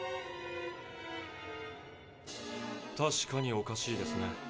確かにおかしいですね。